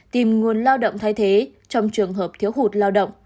tìm nguồn lao động thay thế trong trường hợp thiếu hụt lao động